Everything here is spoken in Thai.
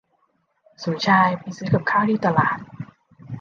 สมชายไปซื้อกับข้าวที่ตลาด